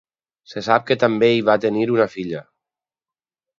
Se sap que també hi va tenir una filla.